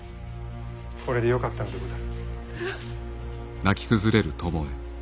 これでよかったのでござる。